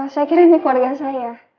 saya kira ini keluarga saya